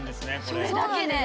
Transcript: それだけで？